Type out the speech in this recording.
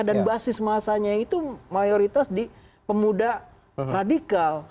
dan basis masanya itu mayoritas di pemuda radikal